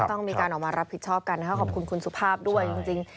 ต้องมีการออกมารับผิดชอบกันนะครับขอบคุณคุณสุภาพด้วยจริง